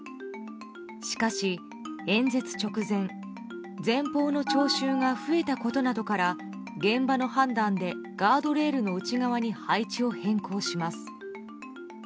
しかし、演説直前前方の聴衆が増えたことなどから現場の判断でガードレールの内側に配置を変更します。